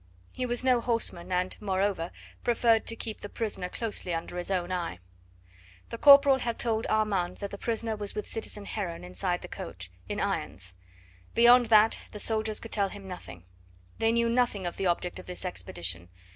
He was no horseman, and, moreover, preferred to keep the prisoner closely under his own eye. The corporal had told Armand that the prisoner was with citizen Heron inside the coach in irons. Beyond that the soldiers could tell him nothing; they knew nothing of the object of this expedition.